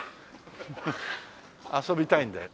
遊びたいんだよ。